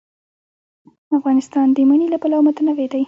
افغانستان د منی له پلوه متنوع دی.